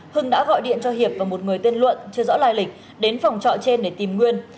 hưng đã gọi điện cho hiệp và một người tên luận chưa rõ lai lịch đến phòng trọ trên để tìm nguyên